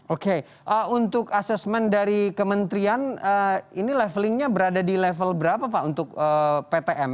oke untuk asesmen dari kementerian ini levelingnya berada di level berapa pak untuk ptm